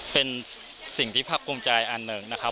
เป็นสิ่งที่พักภูมิใจอันหนึ่งนะครับ